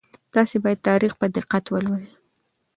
تاسي باید تاریخ په دقت ولولئ.